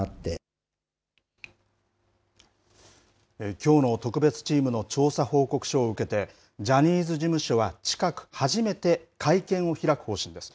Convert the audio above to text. きょうの特別チームの調査報告書を受けて、ジャニーズ事務所は近く、初めて会見を開く方針です。